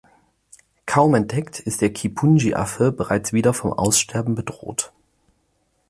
Kaum entdeckt, ist der Kipunji-Affe bereits wieder vom Aussterben bedroht.